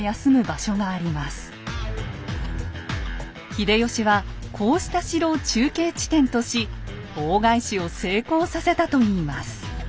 秀吉はこうした城を中継地点とし大返しを成功させたといいます。